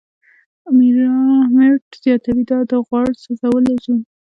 میرټ زیاتوي، دا د "غوړ سوځولو زون